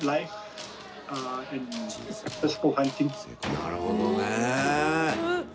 なるほどね。